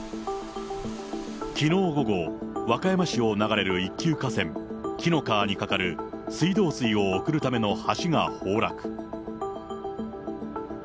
きのう午後、和歌山市を流れる一級河川、紀の川に架かる水道水を送るための橋が崩落。